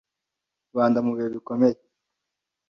Rwanda mu bihe bikomeye,